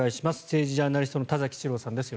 政治ジャーナリストの田崎史郎さんです。